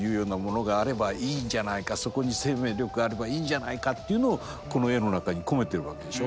そこに生命力があればいいんじゃないかっていうのをこの絵の中に込めてるわけでしょ。